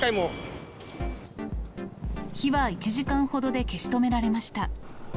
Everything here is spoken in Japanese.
火は１時間ほどで消し止められました。